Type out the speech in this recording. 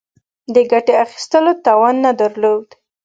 د ګټې اخیستلو توان نه درلود.